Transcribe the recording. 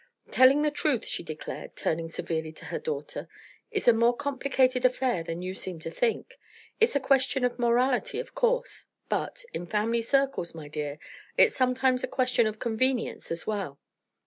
Telling the truth," she declared, turning severely to her daughter, "is a more complicated affair than you seem to think. It's a question of morality, of course; but in family circles, my dear it's sometimes a question of convenience as well.